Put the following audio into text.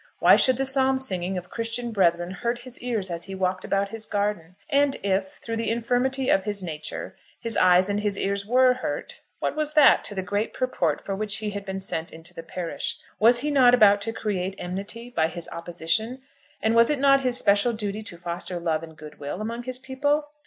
Why should the psalm singing of Christian brethren hurt his ears as he walked about his garden? And if, through the infirmity of his nature, his eyes and his ears were hurt, what was that to the great purport for which he had been sent into the parish? Was he not about to create enmity by his opposition; and was it not his special duty to foster love and goodwill among his people?